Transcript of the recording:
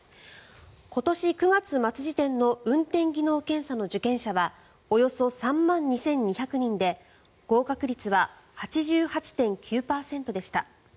今年９月末時点の運転技能検査の受検者はおよそ３万２２００人で合格率は８８．９％でした。